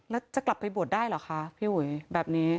แล้วจะกลับไปบวชได้เหรอคะพี่อุ๋ยแบบนี้